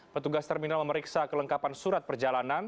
petugas terminal memeriksa kelengkapan surat perjalanan